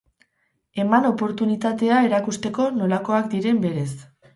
Eman oportunitatea erakusteko nolakoak diren berez.